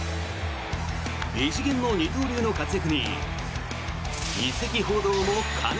異次元の二刀流の活躍に移籍報道も過熱。